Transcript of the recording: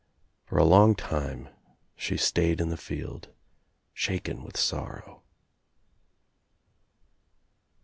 For a long time she stayed in the field, shaken with sorrow.